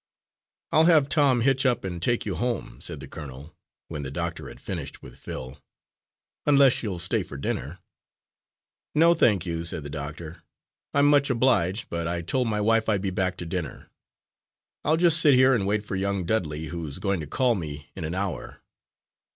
"I'll have Tom hitch up and take you home," said the colonel, when the doctor had finished with Phil, "unless you'll stay to dinner." "No, thank you," said the doctor, "I'm much obliged, but I told my wife I'd be back to dinner. I'll just sit here and wait for young Dudley, who's going to call for me in an hour.